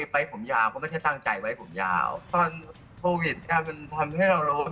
ไปผมยาวก็ไม่ได้ตั้งใจไว้ผมยาวตอนโควิดเนี่ยมันทำให้เรารู้